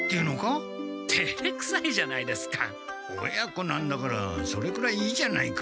親子なんだからそれくらいいいじゃないか。